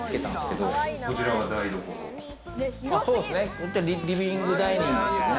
こっちはリビングダイニングですね。